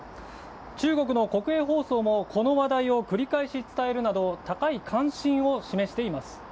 中国の国営放送もこの話題を繰り返し伝えるなど、高い関心を示しています。